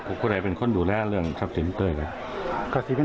บอกการเป็นยังไปครับ